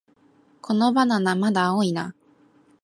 このバナナ、まだ青いな